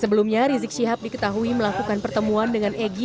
sebelumnya rizik syihab diketahui melakukan pertemuan dengan egy di sampai dita